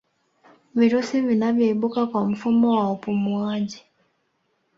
virusi vinavyoibuka kwa mfumo wa upumuwaji